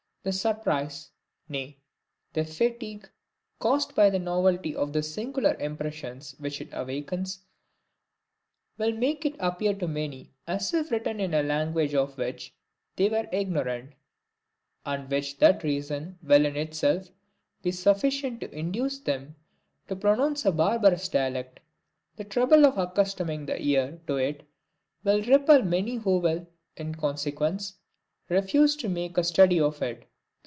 The surprise, nay, the fatigue, caused by the novelty of the singular impressions which it awakens, will make it appear to many as if written in a language of which they were ignorant, and which that reason will in itself be sufficient to induce them to pronounce a barbarous dialect. The trouble of accustoming the ear to it will repel many who will, in consequence, refuse to make a study of it.